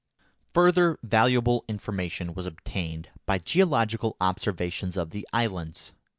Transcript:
Further valuable information was obtained by geological observations of the islands.